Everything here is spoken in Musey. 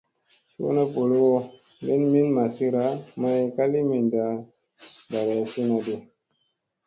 Suuna boloowo lin min masira, may ka li mindi ɗarayasinadi.